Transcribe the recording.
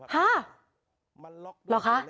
ห้าหรอคะ